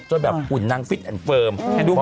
จนแบบหุ่นนางฟิตแอนดเฟิร์ม